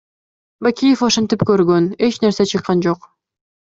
Бакиев ошентип көргөн, эч нерсе чыккан жок.